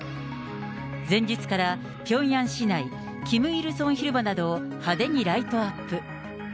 前日からピョンヤン市内、キム・イルソン広場などを派手にライトアップ。